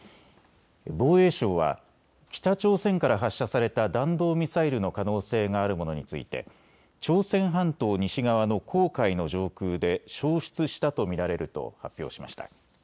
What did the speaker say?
防衛省は北朝鮮から発射された弾道ミサイルの可能性があるものについて朝鮮半島西側の黄海の上空で消失したと見られると発表しました。